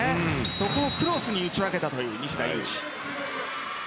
そこをクロスに打ち分けたという西田有志。